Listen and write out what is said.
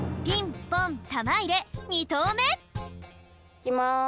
いきます。